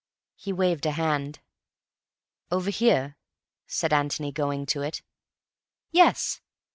He waved a hand. "Over here?" said Antony, going to it. "Yes."